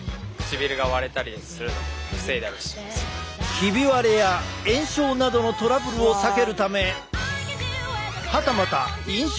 ひび割れや炎症などのトラブルを避けるためはたまた印象をよくするため。